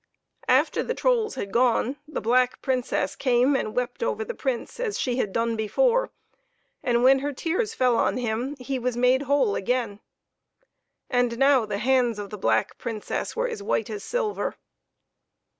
After the trolls had gone, the black Princess came and wept over the Prince as she had done before, and when her tears fell on him he was made whole again. And now the hands of the black Princess were as white as silver.